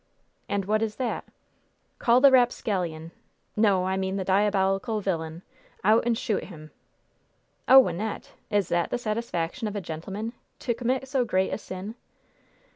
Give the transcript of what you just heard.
"And what is that?" "Call the rapscallion no, I mean the diabolical villain out and shoot him!" "Oh, Wynnette! Is that the satisfaction of a gentleman? To commit so great a sin?"